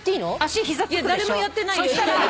誰もやってないよ。